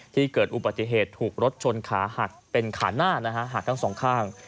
เกิดอุบัติเหตุถูกรถชนขาหักเป็นขาหน้านะฮะหักทั้งสองข้าง